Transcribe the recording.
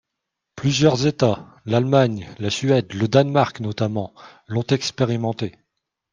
Plusieurs États, l’Allemagne, la Suède, le Danemark notamment, l’ont expérimenté.